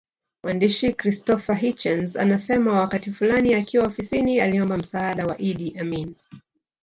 Mwandishi Christopher Hitchens anasema wakati fulani akiwa ofisini aliomba msaada wa Idi Amin